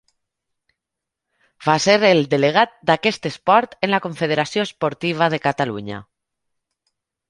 Va ser el delegat d'aquest esport en la Confederació Esportiva de Catalunya.